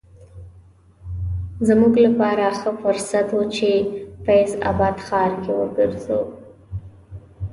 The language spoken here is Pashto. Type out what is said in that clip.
زموږ لپاره ښه فرصت و چې فیض اباد ښار کې وګرځو.